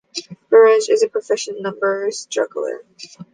Burrage is a proficient numbers juggler.